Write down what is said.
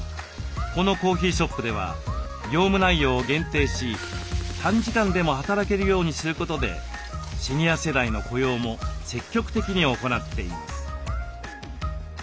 このコーヒーショップでは業務内容を限定し短時間でも働けるようにすることでシニア世代の雇用も積極的に行っています。